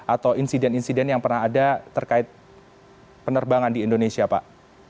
atau insiden insiden yang pernah ada terkait penerbangan di indonesia pak